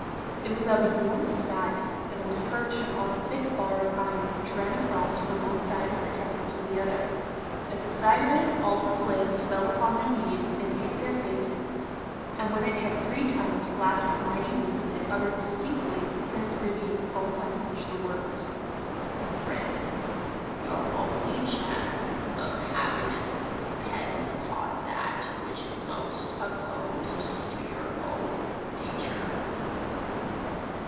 It was of enormous size, and was perched upon a thick bar of iron which ran across from one side of the Temple to the other. At the sight of it all the slaves fell upon their knees and hid their faces, and when it had three times flapped its mighty wings it uttered distinctly in Prince Vivien's own language the words: 'Prince, your only chance of happiness depends upon that which is most opposed to your own nature.